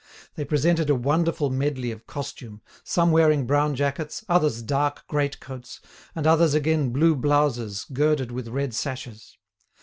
They presented a wonderful medley of costume, some wearing brown jackets, others dark greatcoats, and others again blue blouses girded with red sashes.